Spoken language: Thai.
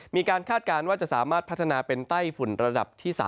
คาดการณ์ว่าจะสามารถพัฒนาเป็นไต้ฝุ่นระดับที่๓